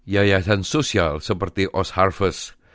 yayasan sosial seperti oz harvest